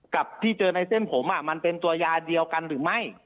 กับที่เจอในเส้นผมมันเป็นตัวยาเดียวกันหรือไม่